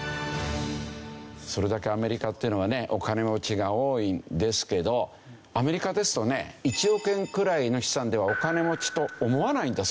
それだけアメリカっていうのはねお金持ちが多いんですけどアメリカですとね１億円くらいの資産ではお金持ちと思わないんだそうですよ。